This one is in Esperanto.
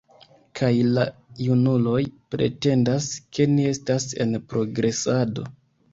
Kaj la junuloj pretendas, ke ni estas en progresado!